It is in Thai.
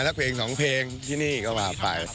สักเพลงสองเพลงที่นี่ก็มาฝ่าย